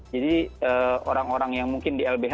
jadi orang orang yang mungkin di lbh